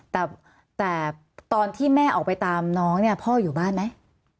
แต่ตอนที่แม่ออกไปตามน้องเนี่ยพ่ออยู่บ้านไหม